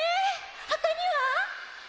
ほかには？